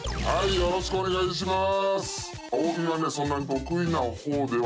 よろしくお願いします。